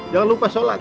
jangan lupa sholat